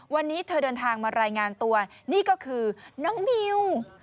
วันนี้เธอเดินทางมารายงานตัวนี่ก็คือน้องมิว